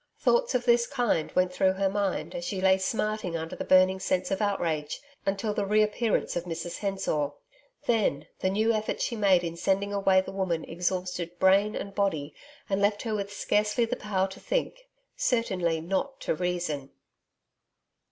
Thoughts of this kind went through her mind as she lay smarting under the burning sense of outrage, until the reappearance of Mrs Hensor. Then, the new effort she made in sending away the woman exhausted brain and body and left her with scarcely the power to think certainly not to reason.